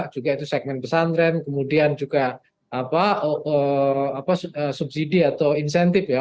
juga itu segmen pesantren kemudian juga subsidi atau insentif ya